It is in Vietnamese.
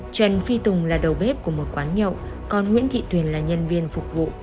trần phi tùng là đầu bếp của một quán nhậu còn nguyễn thị tuyền là nhân viên phục vụ